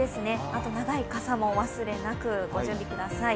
あと長い傘もお忘れなくご準備ください。